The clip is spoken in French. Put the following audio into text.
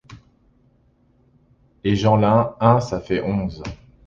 Et Jeanlin, un, ça fait onze.